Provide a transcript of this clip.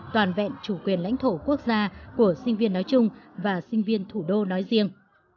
toàn vẹn chủ quyền lãnh thổ quốc gia của sinh viên nói chung và sinh viên thủ đô nói riêng